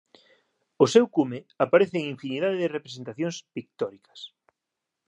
O seu cume apareceu en infinidade de representacións pictóricas